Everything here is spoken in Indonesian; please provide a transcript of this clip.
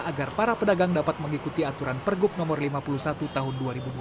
agar para pedagang dapat mengikuti aturan pergub no lima puluh satu tahun dua ribu dua puluh